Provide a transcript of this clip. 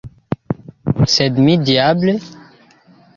Sed mi, diable!